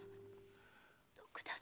徳田様。